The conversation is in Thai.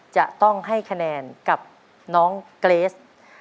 จะต้องให้คะแนนกับน้องเกรส